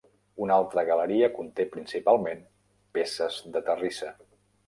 Una altra galeria conté principalment peces de terrissa.